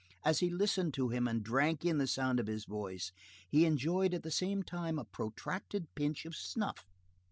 As he listened to him and drank in the sound of his voice, he enjoyed at the same time a protracted pinch of snuff.